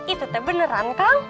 itu teh beneran kang